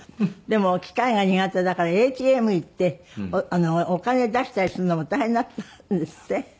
でも機械が苦手だからＡＴＭ行ってお金出したりするのも大変だったんですって？